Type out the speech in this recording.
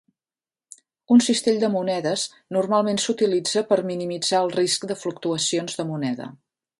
Un cistell de monedes normalment s'utilitza per minimitzar el risc de fluctuacions de moneda.